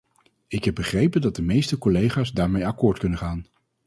Ik heb begrepen dat de meeste collega's daarmee akkoord kunnen gaan.